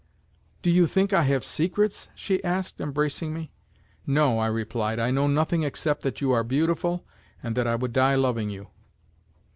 "Do you think I have secrets?" she asked, embracing me. "No," I replied, "I know nothing except that you are beautiful and that I would die, loving you."